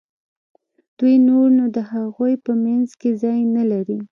دوی نور نو د هغوی په منځ کې ځای نه لري.